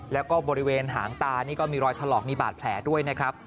แล้วก็บริเวณหางตานี่ก็มีรอยถลอกมีบาดแผลด้วยนะครับ